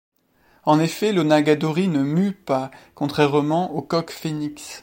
En effet l'onagadori ne mue pas, contrairement au coq phoenix.